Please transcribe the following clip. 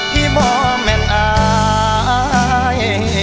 ที่บ่อแม่นอ้าย